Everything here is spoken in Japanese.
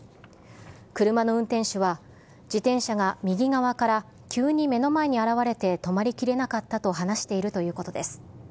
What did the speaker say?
車の運転手は自転車が右側から急に目の前に現れて止まりきれなかったと話しているということです。